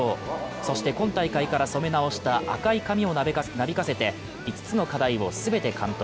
そして、今大会から染め直した赤い髪をなびかせて５つの課題を全て完登。